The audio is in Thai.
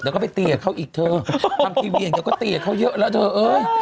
เดี๋ยวก็ไปตีกับเขาอีกเธอทำทีวีอย่างเดียวก็ตีกับเขาเยอะแล้วเธอเอ้ย